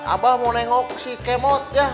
abah mau nengok si kemot ya